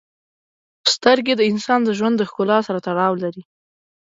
• سترګې د انسان د ژوند د ښکلا سره تړاو لري.